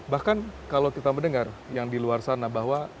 bahkan kalau kita mendengar yang di luar sana bahwa